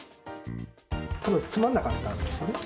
つまんなかったんですよね。